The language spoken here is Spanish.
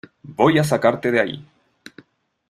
Voy a sacarte de ahí.